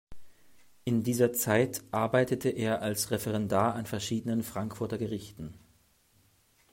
In dieser Zeit arbeitete er als Referendar an verschiedenen Frankfurter Gerichten.